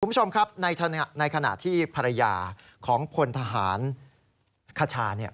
คุณผู้ชมครับในขณะที่ภรรยาของพลทหารคชาเนี่ย